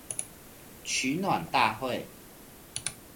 取暖大會